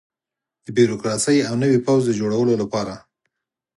د بیروکراسۍ او نوي پوځ د جوړولو لپاره.